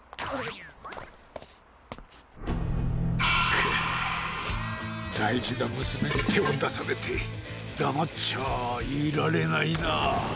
くっだいじなむすめにてをだされてだまっちゃあいられないな。